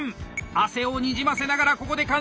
汗をにじませながらここで完成！